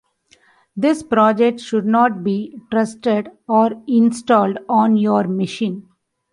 This project should not be trusted or installed on your machine.